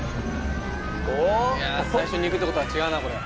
最初にいくってことは違うなこれ。